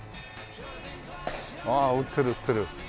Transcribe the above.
ああ打ってる打ってる。